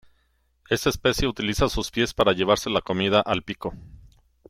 Esta especie utiliza sus pies para llevarse la comida al pico.